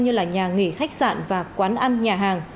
như là nhà nghỉ khách sạn và quán ăn nhà hàng